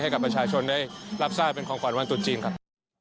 ให้กับประชาชนได้รับทราบเป็นของขวัญวันตุดจีนครับ